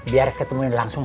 biar ketemu langsung